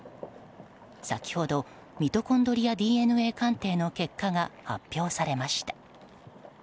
先ほどミトコンドリアＤＮＡ鑑定の結果が発表されました。